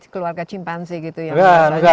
keluarga cimpansi gitu ya enggak